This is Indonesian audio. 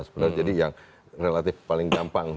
sebenarnya jadi yang relatif paling gampang